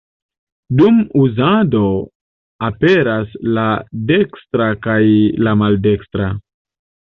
Dum uzado aperas la dekstra kaj la maldekstra.